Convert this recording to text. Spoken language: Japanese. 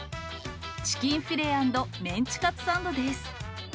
チキンフィレ＆メンチカツサンドです。